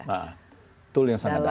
betul yang sangat dahsyat